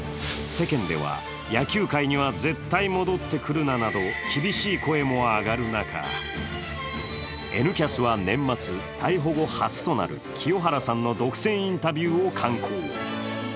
世間では、野球界には絶対戻ってくるななど厳しい声も上がる中、「Ｎキャス」は年末、逮捕後初となる清原さんの独占インタビューを敢行。